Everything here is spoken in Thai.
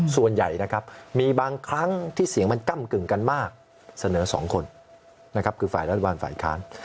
ส่วนใหญ่นะครับมีบางครั้งที่เสียงมันก้ำกึ่งกันมากเสนอ๒คนนะครับคือฝ่ายรัฐบาลฝ่ายค้าน